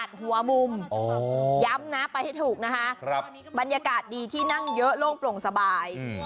หัวมุมย้ำนะไปให้ถูกนะคะบรรยากาศดีที่นั่งเยอะโล่งโปร่งสบาย